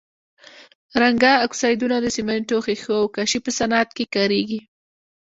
رنګه اکسایدونه د سمنټو، ښيښو او کاشي په صنعت کې کاریږي.